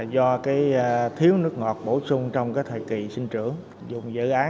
do thiếu nước ngọt bổ sung trong thời kỳ sinh trưởng